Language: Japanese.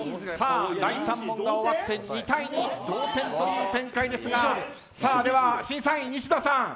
第３問が終わって２対２同点という展開ですが審査員、西田さん。